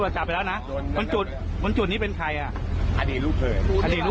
เคยกู้ข้าดรึละ